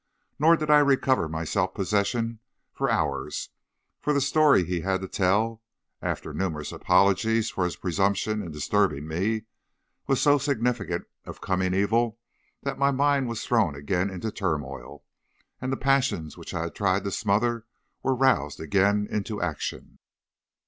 Nor did I recover my self possession for hours; for the story he had to tell after numerous apologies for his presumption in disturbing me was so significant of coming evil that my mind was thrown again into turmoil, and the passions which I had tried to smother were roused again into action.